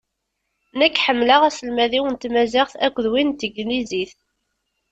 Nekk ḥemmleɣ aselmad-iw n tmaziɣt akked win n teglizit.